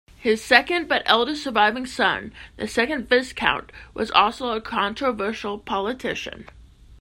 His second but eldest surviving son, the second Viscount, was also a controversial politician.